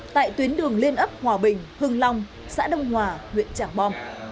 tại tuyến đường liên ấp hòa bình hưng long xã đông hòa huyện trạng bò